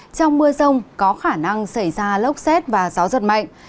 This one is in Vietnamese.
trong mưa rông có khả năng xảy ra lốc xét và gió giật mạnh